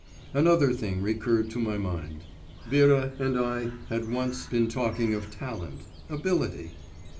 Another thing recurred to my mind; Vera and I had once been talking of talent, ability.